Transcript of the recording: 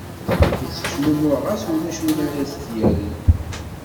Yettecmumuḥ ɣas ulac win ara ad as-yerren.